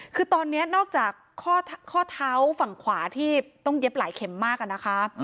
คือตอนนี้นอกจากข้อเท้าฝั่งขวาที่ต้องเย็บหลายเข็มมากอะนะคะ